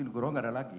nukerong tidak ada lagi